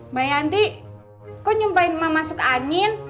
mbak yanti kok nyumpain emang masuk angin